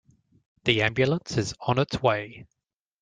The ambulance is on its way.